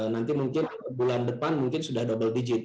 nanti mungkin bulan depan mungkin sudah double digit